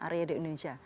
area di indonesia